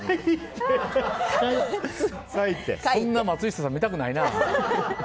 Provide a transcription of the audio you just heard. そんな松下さん見たくないな。